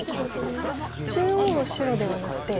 中央の白ではなくて。